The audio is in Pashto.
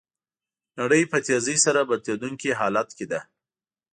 نړۍ په تېزۍ سره بدلیدونکي حالت کې ده.